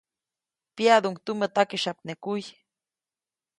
Pyaʼduʼuŋ tumä takisyapnekuy.